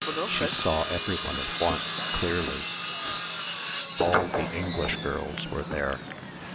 She saw everyone at once clearly. All the English girls were there.